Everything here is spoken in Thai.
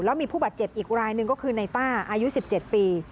แล้วมีผู้บาดเจ็บอีกรายหนึ่งก็คือในต้าอายุ๑๗ปี